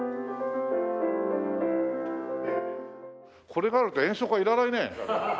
これがあると演奏会いらないね。